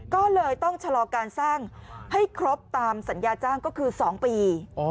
ก็เลยต้องชะลอการสร้างให้ครบตามสัญญาจ้างก็คือ๒ปี